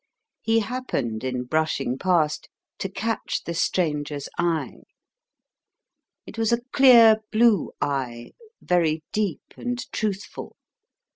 He happened in brushing past to catch the stranger's eye. It was a clear blue eye, very deep and truthful.